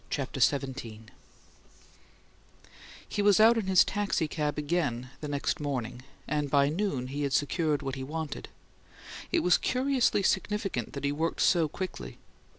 CHAPTER XVII He was out in his taxicab again the next morning, and by noon he had secured what he wanted. It was curiously significant that he worked so quickly.